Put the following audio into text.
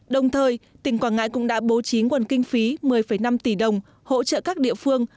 đồng thời tỉnh quảng ngãi cũng đã bố trí nguồn kinh phí một mươi năm tỷ đồng hỗ trợ các địa phương